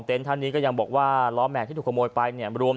เอาของมาคืนผม